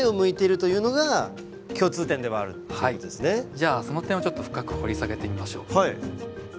じゃあその点をちょっと深く掘り下げてみましょう。